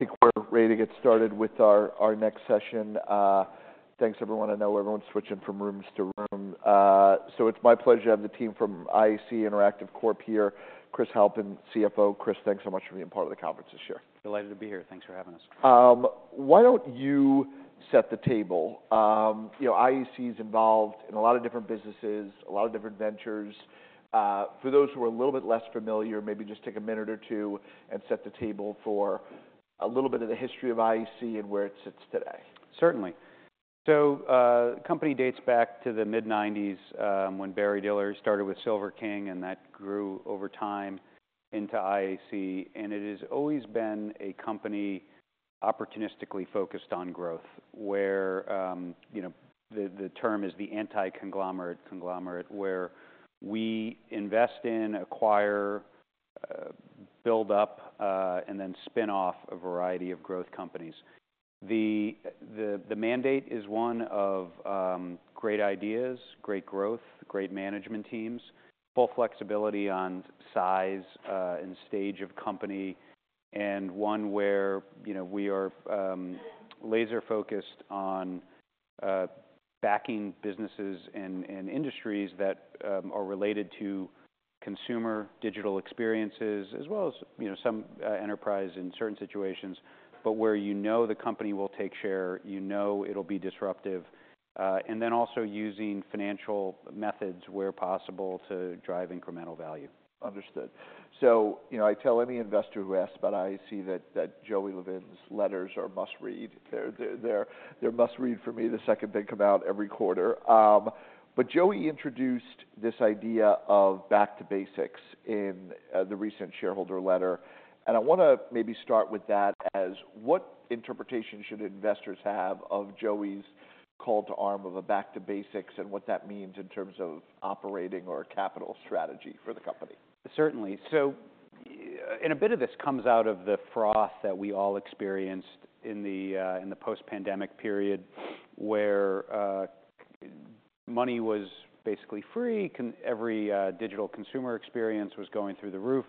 I think we're ready to get started with our next session. Thanks everyone. I know everyone's switching from room to room. So it's my pleasure to have the team from IAC, InterActiveCorp here. Chris Halpin, CFO. Chris, thanks so much for being part of the conference this year. Delighted to be here. Thanks for having us. Why don't you set the table? You know, IAC is involved in a lot of different businesses, a lot of different ventures. For those who are a little bit less familiar, maybe just take a minute or two and set the table for a little bit of the history of IAC and where it sits today. Certainly. So, the company dates back to the mid-nineties, when Barry Diller started with Silver King, and that grew over time into IAC. And it has always been a company opportunistically focused on growth, where, you know, the term is the anti-conglomerate conglomerate, where we invest in, acquire, build up, and then spin off a variety of growth companies. The mandate is one of great ideas, great growth, great management teams, full flexibility on size, and stage of company, and one where, you know, we are laser-focused on backing businesses and industries that are related to consumer digital experiences, as well as, you know, some enterprise in certain situations. But where you know the company will take share, you know it'll be disruptive, and then also using financial methods where possible to drive incremental value. Understood. So, you know, I tell any investor who asks, but I see that Joey Levin's letters are must-read. They're must-read for me the second they come out every quarter. But Joey introduced this idea of back to basics in the recent shareholder letter, and I want to maybe start with that as what interpretation should investors have of Joey's call to arms of a back to basics, and what that means in terms of operating or capital strategy for the company? Certainly. So, and a bit of this comes out of the froth that we all experienced in the post-pandemic period, where money was basically free, every digital consumer experience was going through the roof.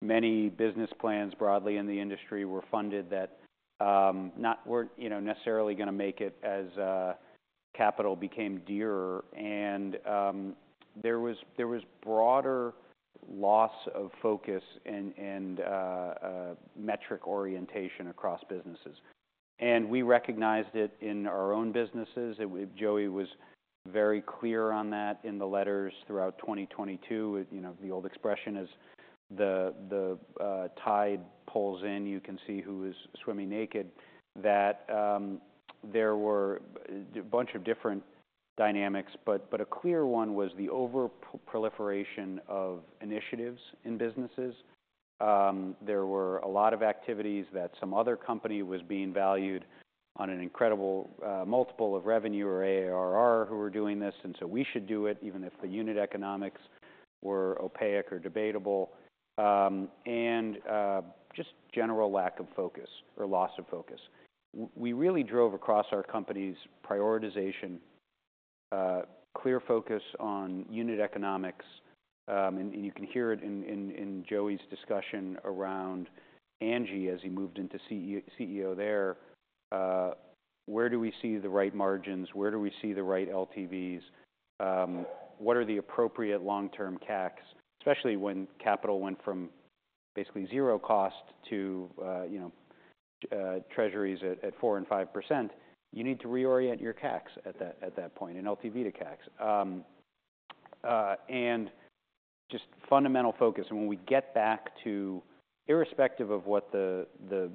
Many business plans broadly in the industry were funded that not were, you know, necessarily gonna make it as capital became dearer. And there was broader loss of focus and metric orientation across businesses. And we recognized it in our own businesses. It. Joey was very clear on that in the letters throughout 2022. You know, the old expression is, the tide pulls in, you can see who is swimming naked. That there were a bunch of different dynamics, but a clear one was the proliferation of initiatives in businesses. There were a lot of activities that some other company was being valued on an incredible multiple of revenue or ARR who were doing this, and so we should do it, even if the unit economics were opaque or debatable, and just general lack of focus or loss of focus. We really drove across our company's prioritization, clear focus on unit economics, and you can hear it in Joey's discussion around Angi as he moved into CEO there. Where do we see the right margins? Where do we see the right LTVs? What are the appropriate long-term CACs, especially when capital went from basically zero cost to, you know, Treasuries at 4% and 5%. You need to reorient your CACs at that point, and LTV to CACs. And just fundamental focus, and when we get back to—irrespective of what the broader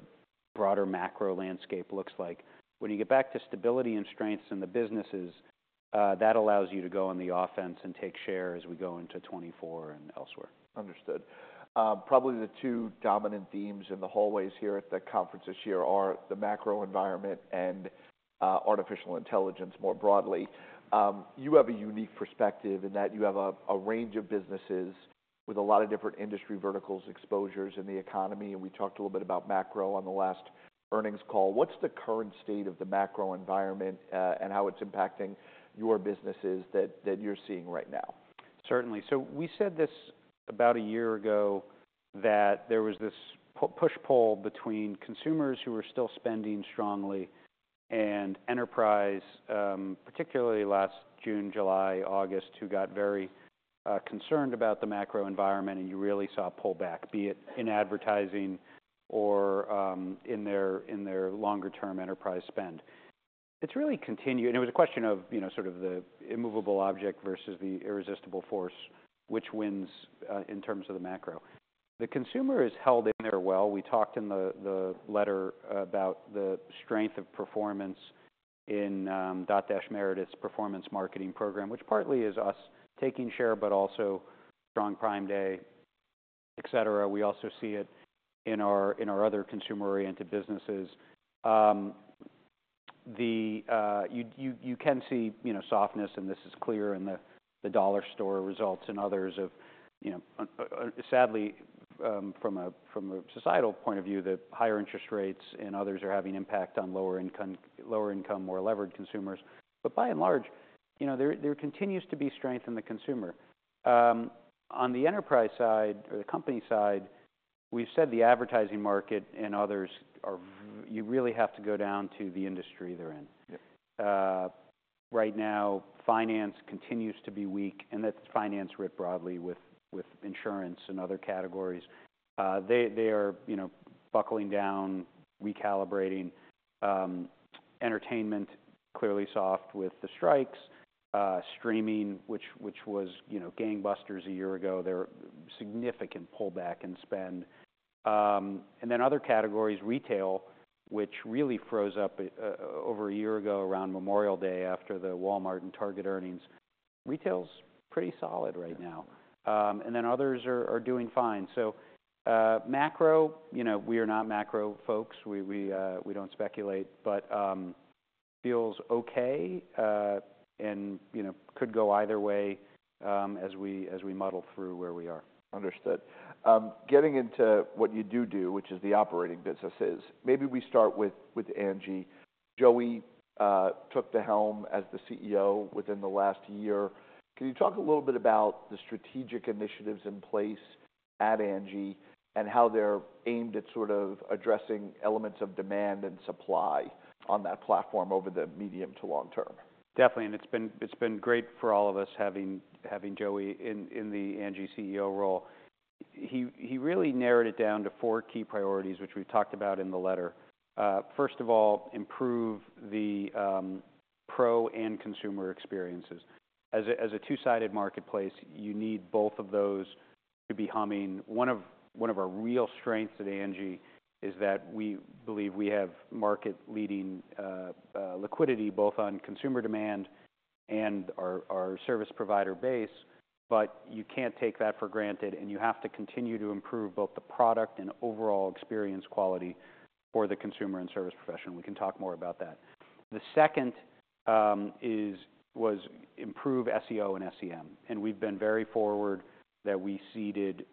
macro landscape looks like—when you get back to stability and strengths in the businesses, that allows you to go on the offense and take share as we go into 2024 and elsewhere. Understood. Probably the two dominant themes in the hallways here at the conference this year are the macro environment and artificial intelligence more broadly. You have a unique perspective in that you have a range of businesses with a lot of different industry verticals, exposures in the economy, and we talked a little bit about macro on the last earnings call. What's the current state of the macro environment and how it's impacting your businesses that you're seeing right now? Certainly. So we said this about a year ago, that there was this push-pull between consumers who were still spending strongly and enterprise, particularly last June, July, August, who got very concerned about the macro environment, and you really saw a pullback, be it in advertising or in their longer-term enterprise spend. It's really continued, and it was a question of, you know, sort of the immovable object versus the irresistible force, which wins in terms of the macro? The consumer has held in there well. We talked in the letter about the strength of performance in Dotdash Meredith's performance marketing program, which partly is us taking share, but also strong Prime Day, et cetera. We also see it in our other consumer-oriented businesses. You can see, you know, softness, and this is clear in the dollar store results and others, you know, sadly, from a societal point of view, the higher interest rates and others are having impact on lower income, lower income, more levered consumers. But by and large, you know, there continues to be strength in the consumer. On the enterprise side or the company side. We've said the advertising market and others are, you really have to go down to the industry they're in. Yep. Right now, finance continues to be weak, and that's finance writ broadly with insurance and other categories. They are, you know, buckling down, recalibrating, entertainment, clearly soft with the strikes, streaming, which was, you know, gangbusters a year ago. There are significant pullback in spend. And then other categories, retail, which really froze up over a year ago around Memorial Day, after the Walmart and Target earnings. Retail's pretty solid right now. And then others are doing fine. So, macro, you know, we are not macro folks. We don't speculate, but feels okay, and, you know, could go either way, as we muddle through where we are. Understood. Getting into what you do, which is the operating businesses, maybe we start with Angi. Joey took the helm as the CEO within the last year. Can you talk a little bit about the strategic initiatives in place at Angi, and how they're aimed at sort of addressing elements of demand and supply on that platform over the medium to long term? Definitely. And it's been great for all of us having Joey in the Angi CEO role. He really narrowed it down to four key priorities, which we've talked about in the letter. First of all, improve the pro and consumer experiences. As a two-sided marketplace, you need both of those to be humming. One of our real strengths at Angi is that we believe we have market-leading liquidity, both on consumer demand and our service provider base, but you can't take that for granted, and you have to continue to improve both the product and overall experience quality for the consumer and service professional. We can talk more about that. The second was improve SEO and SEM, and we've been very forward that we ceded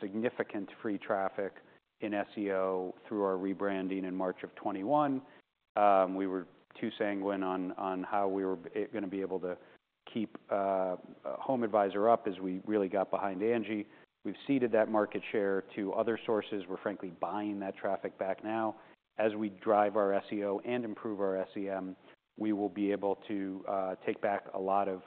significant free traffic in SEO through our rebranding in March of 2021. We were too sanguine on how we were gonna be able to keep HomeAdvisor up as we really got behind Angi. We've ceded that market share to other sources. We're frankly buying that traffic back now. As we drive our SEO and improve our SEM, we will be able to take back a lot of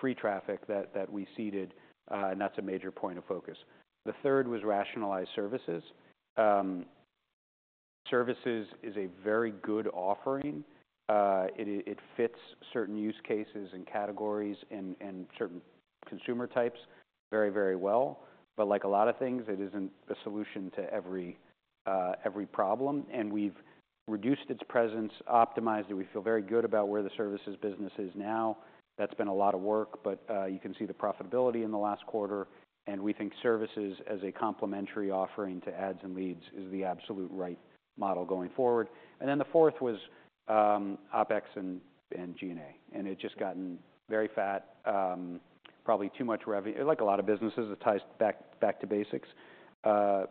free traffic that we ceded, and that's a major point of focus. The third was rationalize services. Services is a very good offering. It fits certain use cases and categories and certain consumer types very, very well. But like a lot of things, it isn't the solution to every problem, and we've reduced its presence, optimized it. We feel very good about where the services business is now. That's been a lot of work, but you can see the profitability in the last quarter, and we think services as a complementary offering to Ads and Leads is the absolute right model going forward. And then the fourth was OpEx and G&A, and it had just gotten very fat, probably too much. Like a lot of businesses, it ties back to basics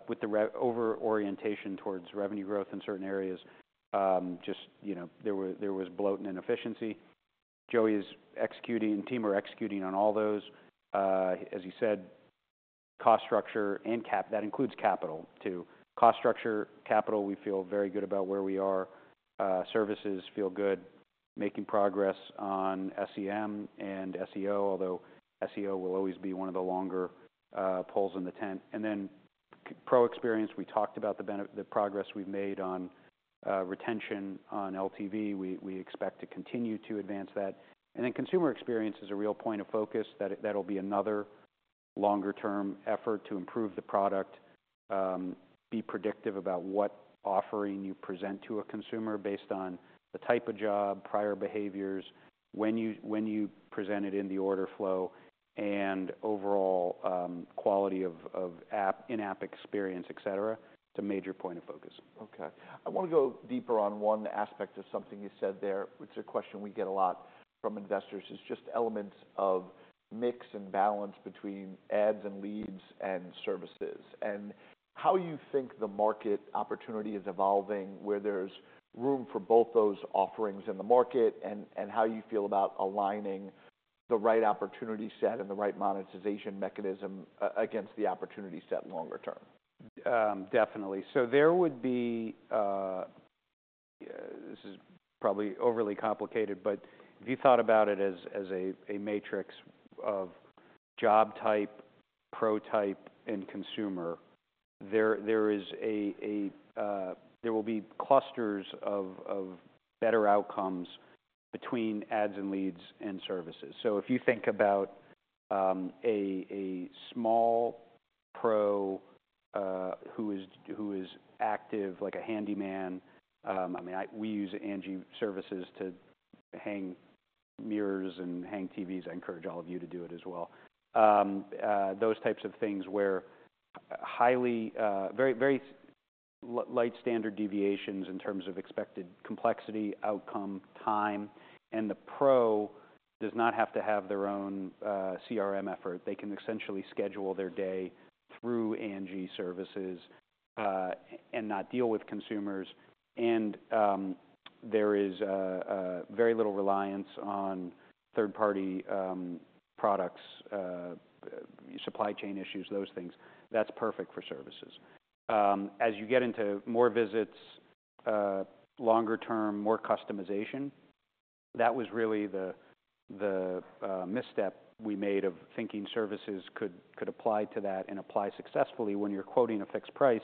with the over-orientation towards revenue growth in certain areas, just, you know, there was bloat and inefficiency. Joey is executing, team are executing on all those. As you said, cost structure and CapEx, that includes capital, too. Cost structure, capital, we feel very good about where we are. Services feel good, making progress on SEM and SEO, although SEO will always be one of the longer poles in the tent. And then pro experience, we talked about the progress we've made on retention on LTV. We expect to continue to advance that. And then consumer experience is a real point of focus. That, that'll be another longer-term effort to improve the product, be predictive about what offering you present to a consumer based on the type of job, prior behaviors, when you, when you present it in the order flow, and overall, quality of app, in-app experience, et cetera. It's a major point of focus. Okay, I want to go deeper on one aspect of something you said there, which is a question we get a lot from investors, is just elements of mix and balance between Ads and Leads and services. How you think the market opportunity is evolving, where there's room for both those offerings in the market, and how you feel about aligning the right opportunity set and the right monetization mechanism against the opportunity set longer term? Definitely. So there would be. This is probably overly complicated, but if you thought about it as a matrix of job type, pro type, and consumer, there will be clusters of better outcomes between Ads and Leads and services. So if you think about a small pro who is active, like a handyman, I mean, we use Angi Services to hang mirrors and hang TVs. I encourage all of you to do it as well. Those types of things where highly, very, very light standard deviations in terms of expected complexity, outcome, time, and the pro does not have to have their own CRM effort. They can essentially schedule their day through Angi Services. and not deal with consumers. There is very little reliance on third-party products, supply chain issues, those things. That's perfect for services. As you get into more visits, longer term, more customization, that was really the misstep we made of thinking services could apply to that and apply successfully when you're quoting a fixed price,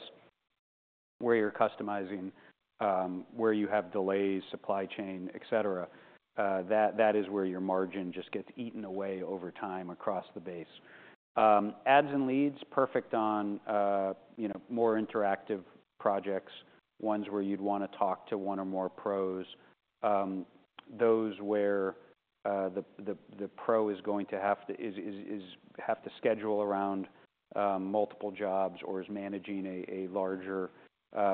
where you're customizing, where you have delays, supply chain, et cetera, that is where your margin just gets eaten away over time across the base. Ads and leads, perfect on, you know, more interactive projects, ones where you'd wanna talk to one or more pros, those where the pro is going to have to schedule around multiple jobs or is managing a larger,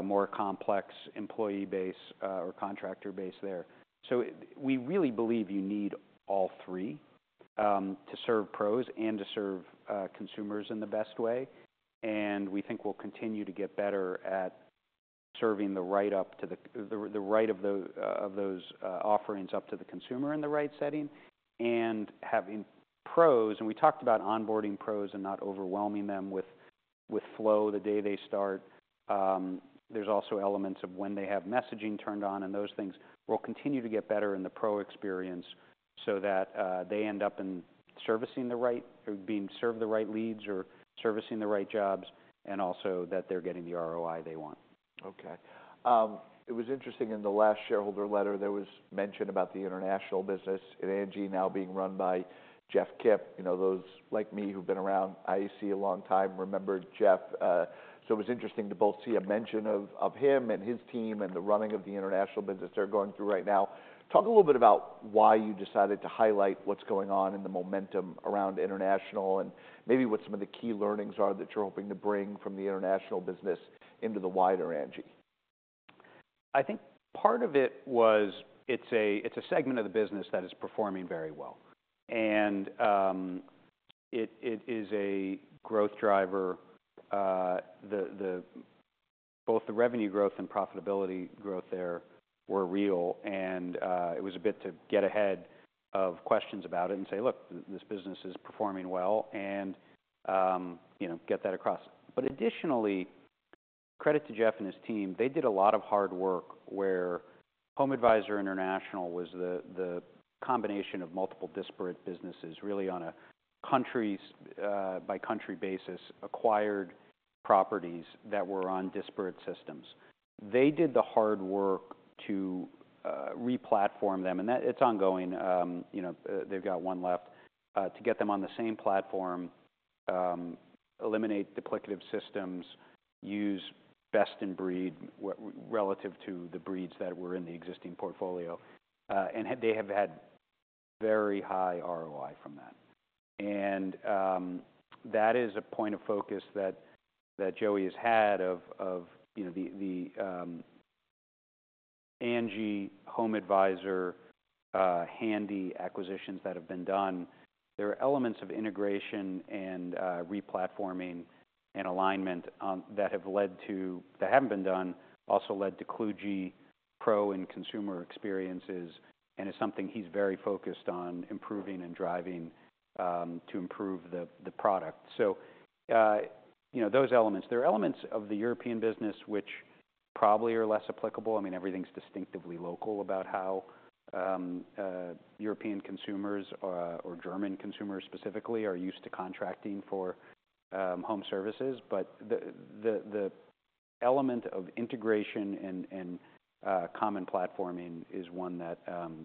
more complex employee base, or contractor base there. So we really believe you need all three to serve pros and to serve consumers in the best way. And we think we'll continue to get better at serving the right up to the right of those offerings up to the consumer in the right setting, and having pros. And we talked about onboarding pros and not overwhelming them with flow the day they start. There's also elements of when they have messaging turned on, and those things will continue to get better in the pro experience so that they end up in servicing the right or being served the right leads or servicing the right jobs, and also that they're getting the ROI they want. Okay. It was interesting in the last shareholder letter, there was mention about the international business at Angi now being run by Jeff Kip. You know, those like me, who've been around IAC a long time, remember Jeff. So it was interesting to both see a mention of, of him and his team and the running of the international business they're going through right now. Talk a little bit about why you decided to highlight what's going on and the momentum around international, and maybe what some of the key learnings are that you're hoping to bring from the international business into the wider Angi. I think part of it was, it's a segment of the business that is performing very well. It's a growth driver, the- both the revenue growth and profitability growth there were real, and it was a bit to get ahead of questions about it and say, "Look, this business is performing well," and, you know, get that across. Additionally, credit to Jeff and his team, they did a lot of hard work where HomeAdvisor International was the combination of multiple disparate businesses, really on a countries, by country basis, acquired properties that were on disparate systems. They did the hard work to re-platform them, and that. It's ongoing. You know, they've got one left to get them on the same platform, eliminate duplicative systems, use best in breed relative to the breeds that were in the existing portfolio. They have had very high ROI from that. That is a point of focus that Joey has had of, you know, the Angi, HomeAdvisor, Handy acquisitions that have been done. There are elements of integration and replatforming and alignment that have led to—that haven't been done, also led to Kludge pro and consumer experiences, and is something he's very focused on improving and driving to improve the product. You know, those elements. There are elements of the European business which probably are less applicable. I mean, everything's distinctively local about how European consumers, or German consumers specifically, are used to contracting for home services. But the element of integration and common platforming is one that,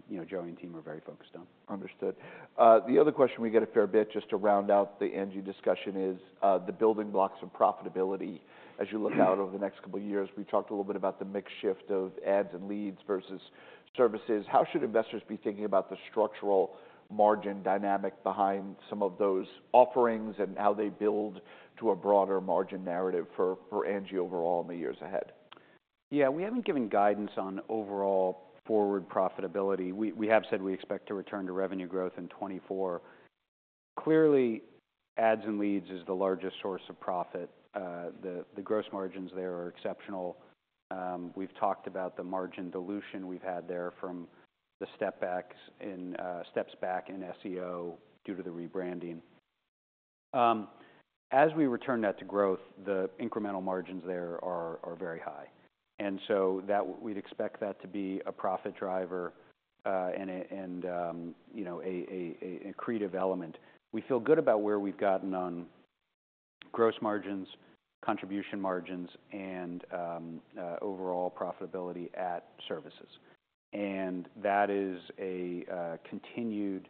you know, Joey and team are very focused on. Understood. The other question we get a fair bit, just to round out the Angi discussion, is the building blocks of profitability. As you look out over the next couple of years, we talked a little bit about the mix shift of Ads and Leads versus services. How should investors be thinking about the structural margin dynamic behind some of those offerings and how they build to a broader margin narrative for Angi overall in the years ahead? Yeah, we haven't given guidance on overall forward profitability. We have said we expect to return to revenue growth in 2024. Clearly, Ads and Leads is the largest source of profit. The gross margins there are exceptional. We've talked about the margin dilution we've had there from the step backs in steps back in SEO due to the rebranding. As we return that to growth, the incremental margins there are very high, and so that we'd expect that to be a profit driver and a creative element. We feel good about where we've gotten on gross margins, contribution margins, and overall profitability at services. And that is a continued.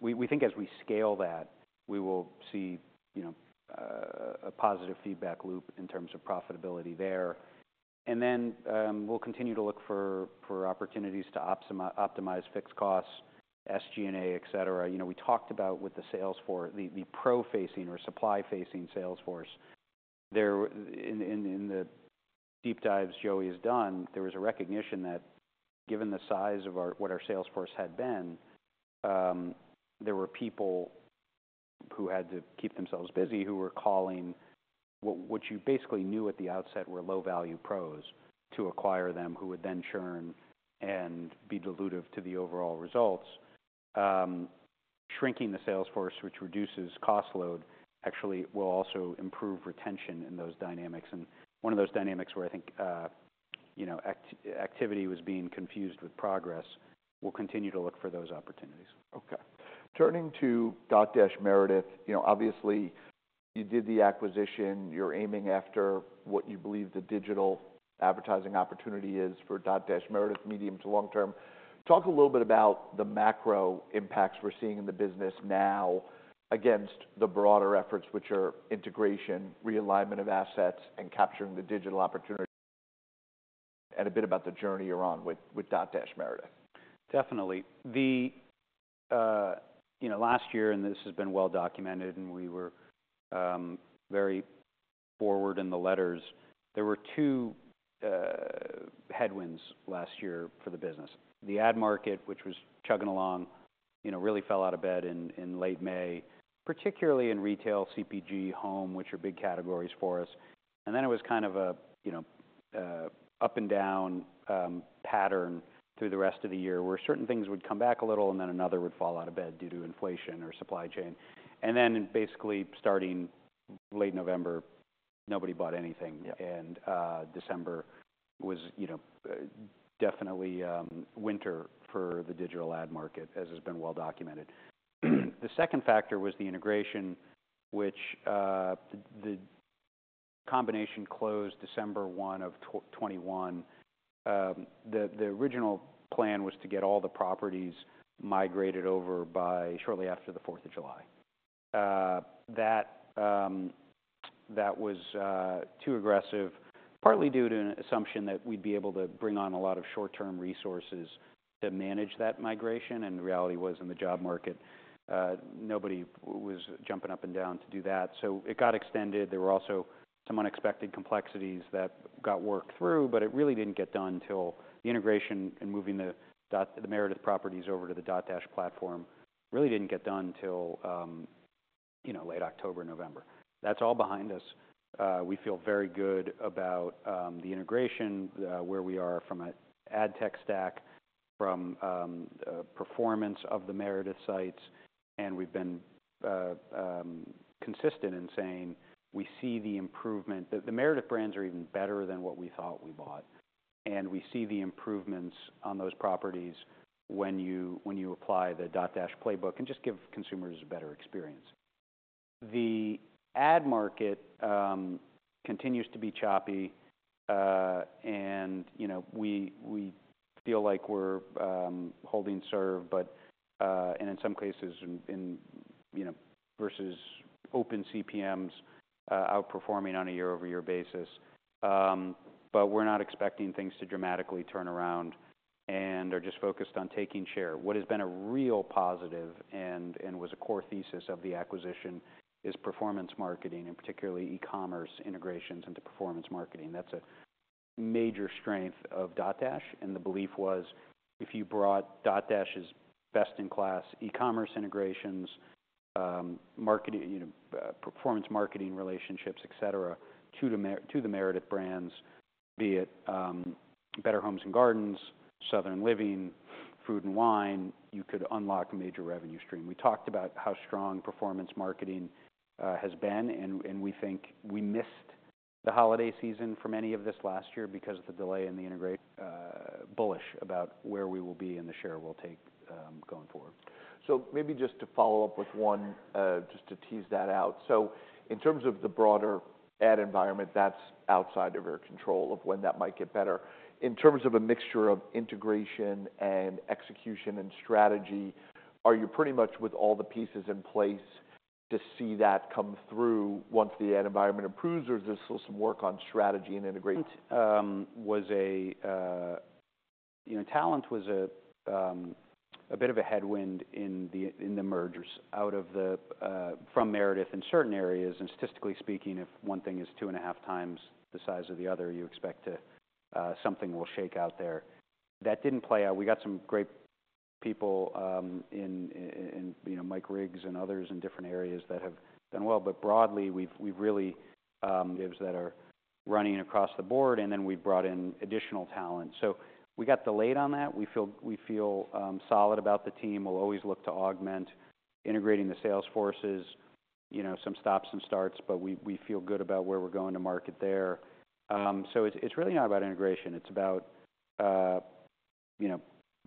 We think as we scale that, we will see, you know, a positive feedback loop in terms of profitability there. And then we'll continue to look for opportunities to optimize fixed costs, SG&A, et cetera. You know, we talked about with the sales force, the pro-facing or supply-facing sales force there, in the deep dives Joey has done, there was a recognition that given the size of our, what our sales force had been, there were people who had to keep themselves busy, who were calling, what you basically knew at the outset were low-value pros, to acquire them, who would then churn and be dilutive to the overall results. Shrinking the sales force, which reduces cost load, actually will also improve retention in those dynamics. And one of those dynamics where I think, you know, activity was being confused with progress. We'll continue to look for those opportunities. Okay. Turning to Dotdash Meredith. You know, obviously you did the acquisition. You're aiming after what you believe the digital advertising opportunity is for Dotdash Meredith, medium to long term. Talk a little bit about the macro impacts we're seeing in the business now against the broader efforts, which are integration, realignment of assets, and capturing the digital opportunity, and a bit about the journey you're on with, with Dotdash Meredith. Definitely. The. You know, last year, and this has been well documented, and we were very forward in the letters, there were two headwinds last year for the business. The ad market, which was chugging along, you know, really fell out of bed in late May, particularly in retail, CPG, home, which are big categories for us. And then it was kind of a, you know, up-and-down pattern through the rest of the year, where certain things would come back a little and then another would fall out of bed due to inflation or supply chain. And then basically starting late November, nobody bought anything. Yeah. December was, you know, definitely, winter for the digital ad market, as has been well documented. The second factor was the integration, which, the combination closed December 1, 2021. The original plan was to get all the properties migrated over by shortly after the Fourth of July. That was too aggressive, partly due to an assumption that we'd be able to bring on a lot of short-term resources to manage that migration, and the reality was, in the job market, nobody was jumping up and down to do that. So it got extended. There were also some unexpected complexities that got worked through, but it really didn't get done until the integration and moving the Dotdash, the Meredith properties over to the Dotdash platform, really didn't get done until, you know, late October, November. That's all behind us. We feel very good about the integration, where we are from an ad tech stack, from performance of the Meredith sites, and we've been consistent in saying we see the improvement. The Meredith brands are even better than what we thought we bought, and we see the improvements on those properties when you apply the Dotdash playbook and just give consumers a better experience. The ad market continues to be choppy, and, you know, we feel like we're holding serve, but. In some cases, you know, versus open CPMs, outperforming on a year-over-year basis. But we're not expecting things to dramatically turn around and are just focused on taking share. What has been a real positive and was a core thesis of the acquisition is performance marketing, and particularly e-commerce integrations into performance marketing. That's a major strength of Dotdash, and the belief was, if you brought Dotdash's best-in-class e-commerce integrations, marketing, you know, performance marketing relationships, et cetera, to the Meredith brands, be it Better Homes and Gardens, Southern Living, Food & Wine, you could unlock major revenue stream. We talked about how strong performance marketing has been, and, and we think we missed the holiday season from any of this last year because of the delay in the integration, bullish about where we will be and the share we'll take going forward. Maybe just to follow up with one, just to tease that out. In terms of the broader ad environment, that's outside of our control of when that might get better. In terms of a mixture of integration and execution and strategy, are you pretty much with all the pieces in place to see that come through once the ad environment improves, or is there still some work on strategy and integration? Was a, you know, talent was a bit of a headwind in the mergers out of the. From Meredith in certain areas, and statistically speaking, if one thing is 2.5 times the size of the other, you expect to, something will shake out there. That didn't play out. We got some great people, you know, Mike Riggs and others in different areas that have done well, but broadly, we've really gaps that are running across the board, and then we've brought in additional talent. So we got delayed on that. We feel solid about the team. We'll always look to augment integrating the sales forces, you know, some stops and starts, but we feel good about where we're going to market there. So it's really not about integration. It's about, you know,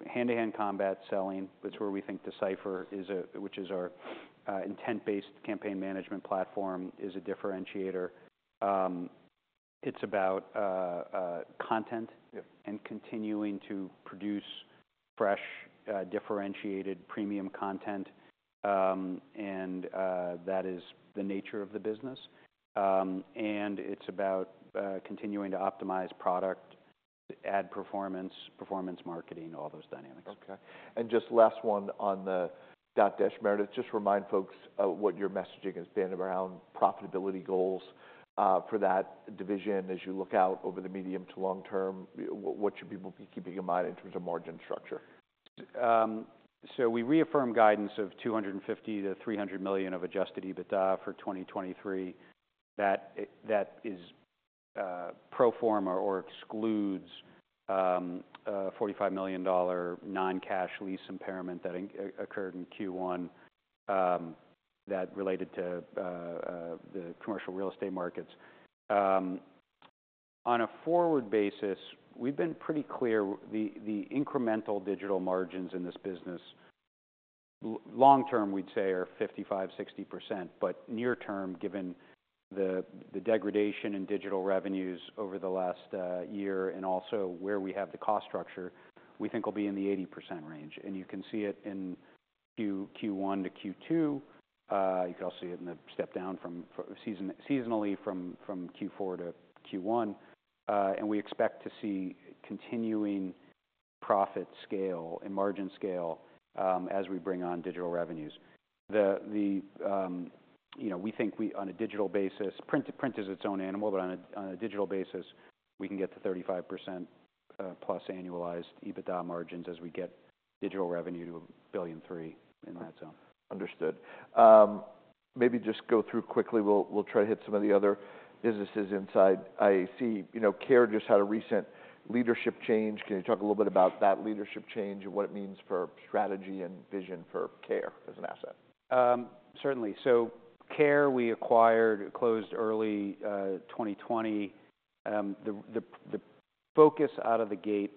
hand-to-hand combat selling. That's where we think D/Cipher, which is our intent-based campaign management platform, is a differentiator. It's about content- Yeah and continuing to produce fresh, differentiated premium content. And that is the nature of the business. And it's about continuing to optimize product ad performance, performance marketing, all those dynamics. Okay. And just last one on the Dotdash Meredith, just remind folks, what your messaging has been around profitability goals, for that division as you look out over the medium to long term. What should people be keeping in mind in terms of margin structure? So we reaffirm guidance of $250 million-$300 million of adjusted EBITDA for 2023. That, that is, pro forma or excludes, a $45 million non-cash lease impairment that occurred in Q1, that related to, the commercial real estate markets. On a forward basis, we've been pretty clear, the, the incremental digital margins in this business, long term, we'd say, are 55-60%, but near term, given the, the degradation in digital revenues over the last, year, and also where we have the cost structure, we think we'll be in the 80% range. And you can see it in Q, Q1 to Q2. You can also see it in the step down from seasonally from, from Q4 to Q1. And we expect to see continuing profit scale and margin scale, as we bring on digital revenues. You know, we think we, on a digital basis, print, print is its own animal, but on a digital basis, we can get to 35% plus annualized EBITDA margins as we get digital revenue to $1.3 billion, in that zone. Understood. Maybe just go through quickly. We'll try to hit some of the other businesses inside IAC. You know, Care just had a recent leadership change. Can you talk a little bit about that leadership change and what it means for strategy and vision for Care as an asset? Certainly. So Care we acquired, closed early 2020. The focus out of the gate,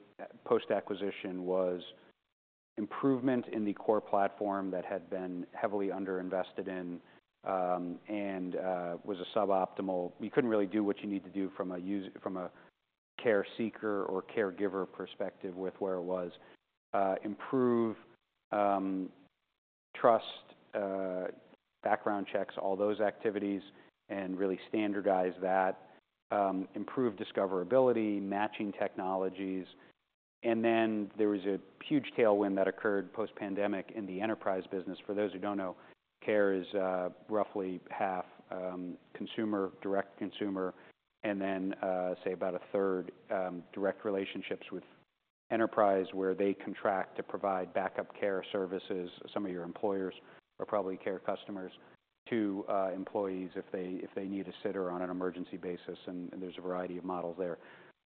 post-acquisition, was improvement in the core platform that had been heavily underinvested in, and was suboptimal. You couldn't really do what you need to do from a care seeker or caregiver perspective with where it was. Improve trust, background checks, all those activities, and really standardize that, improve discoverability, matching technologies. And then there was a huge tailwind that occurred post-pandemic in the enterprise business. For those who don't know, Care is roughly half consumer, direct consumer, and then say about a third direct relationships with enterprise, where they contract to provide backup care services. Some of your employers are probably Care customers too, employees if they need a sitter on an emergency basis, and there's a variety of models there.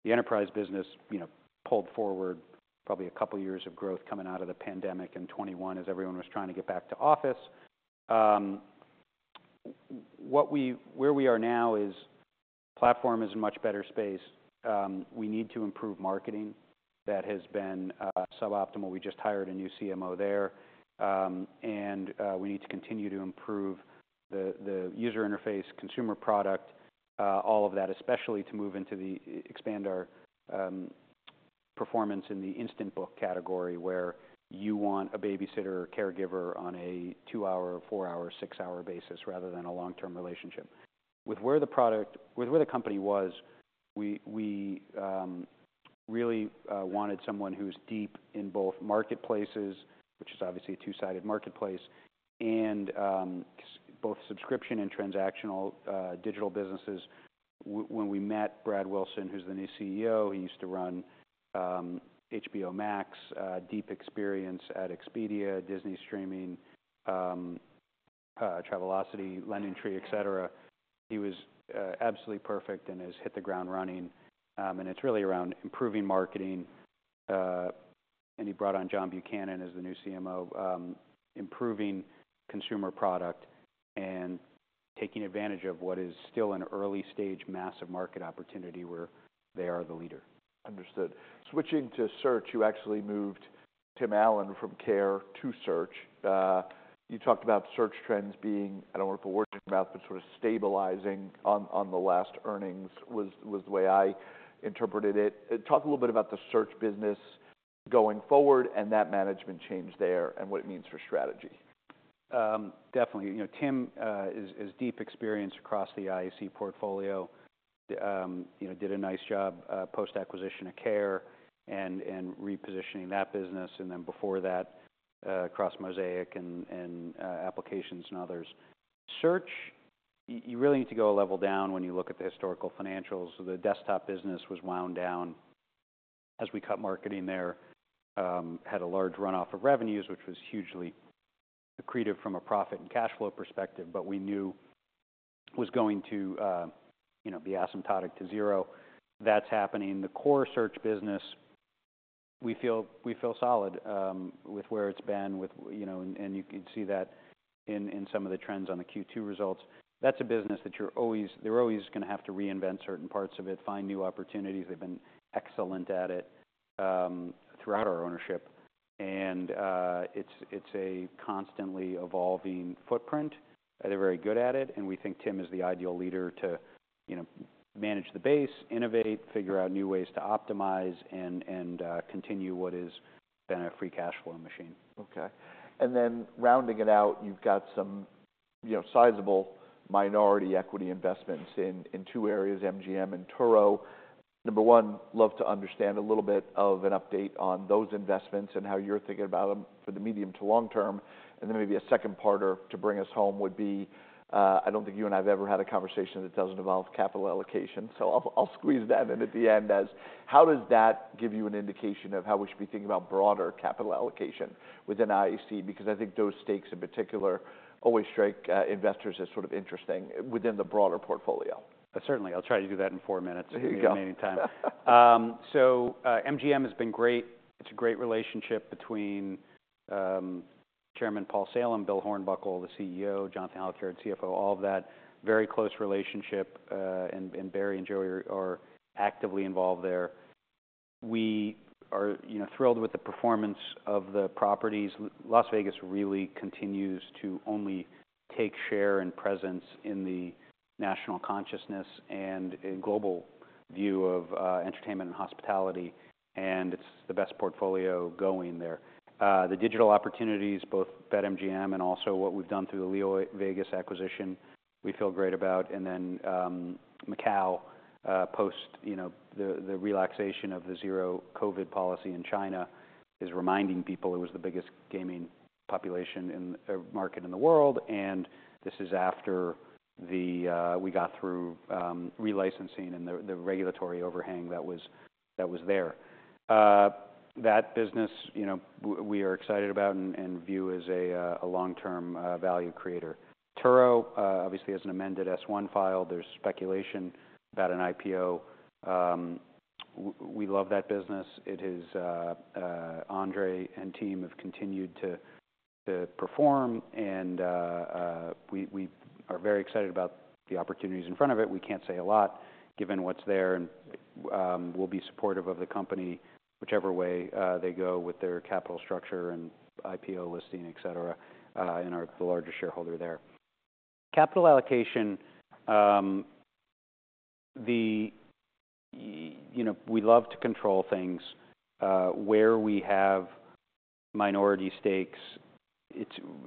The enterprise business, you know, pulled forward probably a couple years of growth coming out of the pandemic in 2021, as everyone was trying to get back to office. Where we are now is, platform is in much better space. We need to improve marketing. That has been suboptimal. We just hired a new CMO there. And we need to continue to improve the user interface, consumer product, all of that, especially to expand our performance in the Instant Book category, where you want a babysitter or caregiver on a two-hour, four-hour, six-hour basis, rather than a long-term relationship. With where the company was, we really wanted someone who's deep in both marketplaces, which is obviously a two-sided marketplace, and both subscription and transactional digital businesses. When we met Brad Wilson, who's the new CEO, he used to run HBO Max, deep experience at Expedia, Disney Streaming, Travelocity, LendingTree, et cetera. He was absolutely perfect and has hit the ground running. And it's really around improving marketing. And he brought on John Buchanan as the new CMO, improving consumer product and taking advantage of what is still an early-stage massive market opportunity where they are the leader. Understood. Switching to Search, you actually moved Tim Allen from Care to Search. You talked about search trends being, I don't want to put words in your mouth, but sort of stabilizing on the last earnings, was the way I interpreted it. Talk a little bit about the Search business going forward and that management change there and what it means for strategy. Definitely. You know, Tim has deep experience across the IAC portfolio. You know, did a nice job post-acquisition of Care and repositioning that business, and then before that, across Mosaic and Applications and others. Search, you really need to go a level down when you look at the historical financials. So the desktop business was wound down as we cut marketing there. Had a large run off of revenues, which was hugely accretive from a profit and cash flow perspective, but we knew it was going to, you know, be asymptotic to zero. That's happening. The core search business, we feel solid with where it's been. You know, and you can see that in some of the trends on the Q2 results. That's a business that you're always, they're always gonna have to reinvent certain parts of it, find new opportunities. They've been excellent at it throughout our ownership, and it's a constantly evolving footprint, and they're very good at it, and we think Tim is the ideal leader to, you know, manage the base, innovate, figure out new ways to optimize and continue what has been a free cash flow machine. Okay. And then rounding it out, you've got some, you know, sizable minority equity investments in two areas, MGM and Turo. Number one, love to understand a little bit of an update on those investments and how you're thinking about them for the medium to long term. And then maybe a second partner to bring us home would be, I don't think you and I have ever had a conversation that doesn't involve capital allocation. So I'll squeeze that in at the end as: how does that give you an indication of how we should be thinking about broader capital allocation within IAC? Because I think those stakes in particular always strike investors as sort of interesting within the broader portfolio. Certainly, I'll try to do that in four minutes There you go. If you give me any time. So, MGM has been great. It's a great relationship between Chairman Paul Salem, Bill Hornbuckle, the CEO, Jonathan Halkyard, CFO, all of that. Very close relationship, and Barry and Joey are actively involved there. We are, you know, thrilled with the performance of the properties. Las Vegas really continues to only take share and presence in the national consciousness and in global view of entertainment and hospitality, and it's the best portfolio going there. The digital opportunities, both BetMGM and also what we've done through the LeoVegas acquisition, we feel great about. And then, Macau, post, you know, the relaxation of the zero COVID policy in China is reminding people it was the biggest gaming population in market in the world, and this is after the. We got through re-licensing and the regulatory overhang that was there. That business, you know, we are excited about and view as a long-term value creator. Turo obviously has an amended S-1 file. There's speculation about an IPO. We love that business. It is, Andre and team have continued to perform, and we are very excited about the opportunities in front of it. We can't say a lot given what's there, and we'll be supportive of the company whichever way they go with their capital structure and IPO listing, et cetera, and are the largest shareholder there. Capital allocation, you know, we love to control things where we have minority stakes.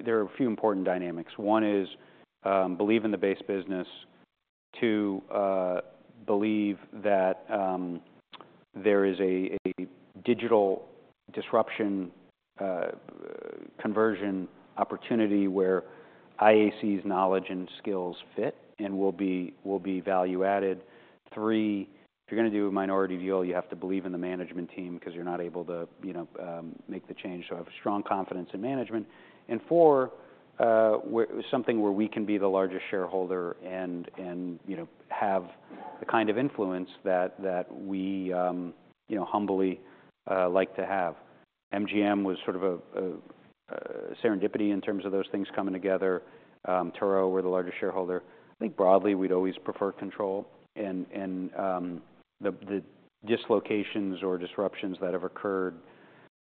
There are a few important dynamics. One is, believe in the base business. Two, believe that there is a digital disruption conversion opportunity where IAC's knowledge and skills fit and will be value-added. Three, if you're gonna do a minority deal, you have to believe in the management team because you're not able to, you know, make the change. So have strong confidence in management. And four, something where we can be the largest shareholder and you know have the kind of influence that we you know humbly like to have. MGM was sort of a serendipity in terms of those things coming together. Turo, we're the largest shareholder. I think broadly, we'd always prefer control and the dislocations or disruptions that have occurred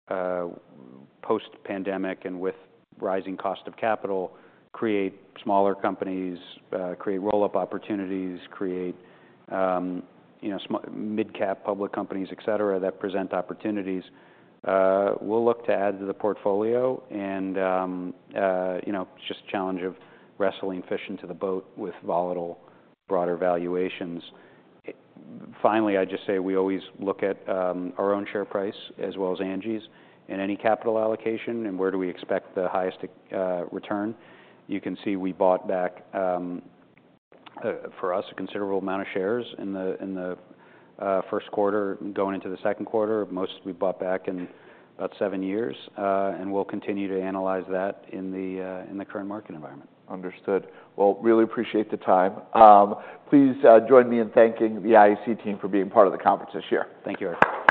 post-pandemic and with rising cost of capital create smaller companies, create roll-up opportunities, create, you know, mid-cap public companies, et cetera, that present opportunities. We'll look to add to the portfolio and, you know, just challenge of wrestling fish into the boat with volatile, broader valuations. Finally, I'd just say we always look at our own share price as well as Angi's in any capital allocation and where do we expect the highest return. You can see we bought back, for us, a considerable amount of shares in the first quarter going into the second quarter. Most we bought back in about seven years. We'll continue to analyze that in the current market environment. Understood. Well, really appreciate the time. Please, join me in thanking the IAC team for being part of the conference this year. Thank you very much.